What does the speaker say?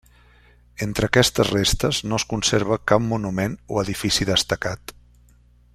Entre aquestes restes no es conserva cap monument o edifici destacat.